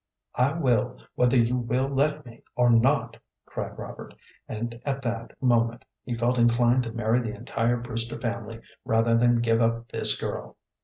"I will, whether you will let me or not," cried Robert; and at that moment he felt inclined to marry the entire Brewster family rather than give up this girl.